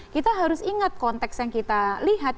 kita harus ingat konteks yang kita lihat